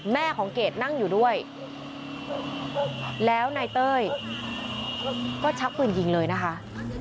แม่ของเกดนั่งอยู่ด้วยแล้วนายเต้ยก็ชักปืนยิงเลยนะคะ